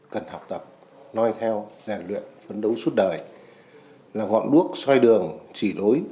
cần học tập nói theo rèn luyện phấn đấu suốt đời là ngọn đuốc xoay đường chỉ lối